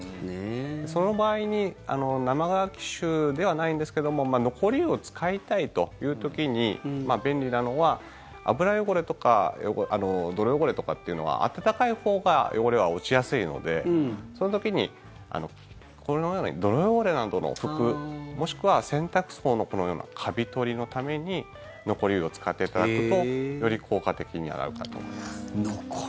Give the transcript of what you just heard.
その場合に生乾き臭ではないんですけども残り湯を使いたいという時に便利なのは脂汚れとか泥汚れとかっていうのは温かいほうが汚れは落ちやすいのでそういう時にこのような泥汚れなどの服もしくは洗濯槽のこのようなカビ取りのために残り湯を使っていただくとより効果的に洗えるかと思います。